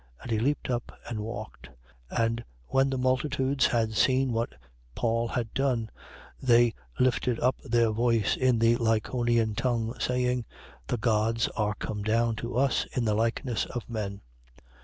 And he leaped up and walked. 14:10. And when the multitudes had seen what Paul had done, they lifted up their voice in the Lycaonian tongue, saying: The gods are come down to us in the likeness of men.